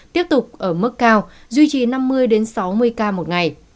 tiếp tục ở mức cao duy trì năm mươi sáu mươi ca một ngày